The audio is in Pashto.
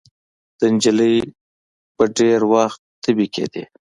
د نجلۍ به ډېر وخت تبې کېدې.